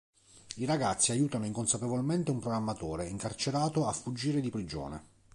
I ragazzi aiutano inconsapevolmente un programmatore incarcerato a fuggire di prigione.